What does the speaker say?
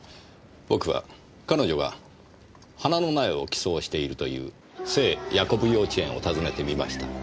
僕は彼女が花の苗を寄贈しているという聖ヤコブ幼稚園を訪ねてみました。